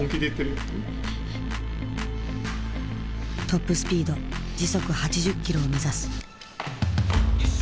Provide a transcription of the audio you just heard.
トップスピード時速８０キロを目指す。